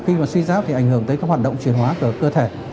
khi mà suy giáp thì ảnh hưởng tới các hoạt động truyền hóa của cơ thể